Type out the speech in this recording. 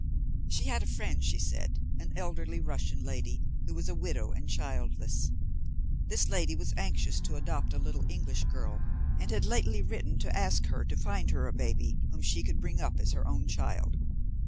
She had a friend, she said, an elderly Russian lady, who was a widow and childless. This lady was anxious to adopt a little English girl, and had lately written to ask her to find her a baby whom she could bring up as her own child.